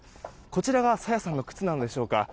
こちらが朝芽さんの靴なんでしょうか。